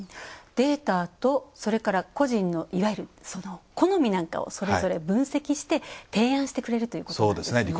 データと個人のいわゆる好みなんかをそれぞれ分析して提案してくれるということですね。